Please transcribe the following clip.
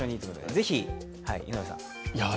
ぜひ井上さん。